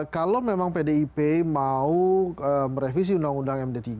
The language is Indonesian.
kalau memang pdip mau merevisi undang undang md tiga